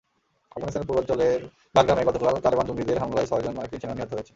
আফগানিস্তানের পূর্বাঞ্চলে বাগরামে গতকাল তালেবান জঙ্গিদের হামলায় ছয়জন মার্কিন সেনা নিহত হয়েছেন।